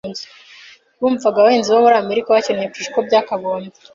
Bumvaga abahinzi bo muri Amerika bakennye kurusha uko byakagombye. .